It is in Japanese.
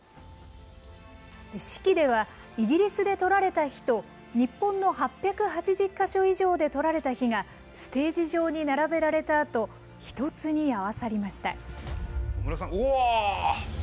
式では、イギリスで採られた火と日本の８８０か所以上で採られた火がステージ上に並べられたあと、一つに合わさりました。